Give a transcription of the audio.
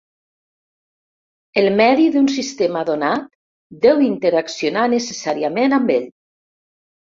El medi d'un sistema donat deu interaccionar necessàriament amb ell.